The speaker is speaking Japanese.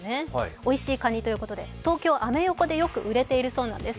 おいしいかにということで東京・アメ横でよく売れているそうなんです。